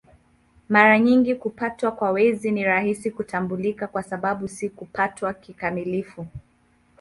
Mara nyingi kupatwa kwa Mwezi si rahisi kutambulika kwa sababu si kupatwa kikamilifu.